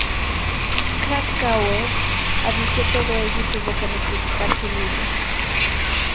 Krakauer admitió todo ello y tuvo que rectificar su libro.